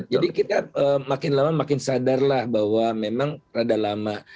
jadi kita makin lama makin sadarlah bahwa memang rada lama